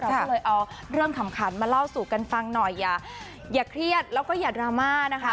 ก็เลยเอาเรื่องขำขันมาเล่าสู่กันฟังหน่อยอย่าเครียดแล้วก็อย่าดราม่านะคะ